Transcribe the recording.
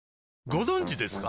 ご存知ですか？